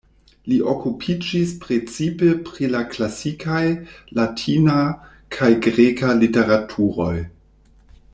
Li okupiĝis precipe pri la klasikaj latina kaj greka literaturoj.